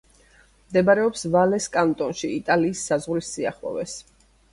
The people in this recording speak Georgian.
მდებარეობს ვალეს კანტონში, იტალიის საზღვრის სიახლოვეს.